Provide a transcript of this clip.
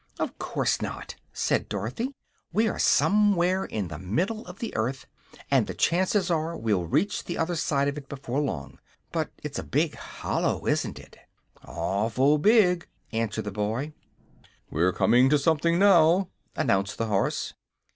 "Of course not," said Dorothy. "We are somewhere in the middle of the earth, and the chances are we'll reach the other side of it before long. But it's a big hollow, isn't it?" "Awful big!" answered the boy. "We're coming to something now," announced the horse.